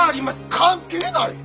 関係ない！